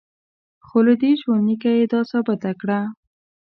خو له دې ژوندلیکه یې دا ثابته کړه.